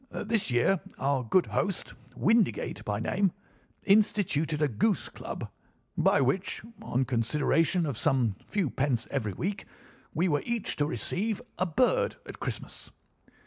This year our good host, Windigate by name, instituted a goose club, by which, on consideration of some few pence every week, we were each to receive a bird at Christmas.